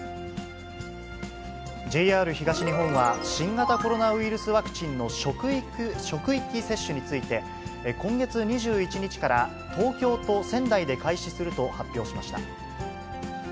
ＪＲ東日本は、新型コロナウイルスワクチンの職域接種について、今月２１日から、東京と仙台で開始すると発表しました。